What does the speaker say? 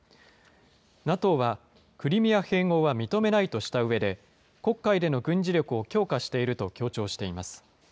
ＮＡＴＯはクリミア併合は認めないとしたうえで、黒海での軍事力を強化していると強調しています。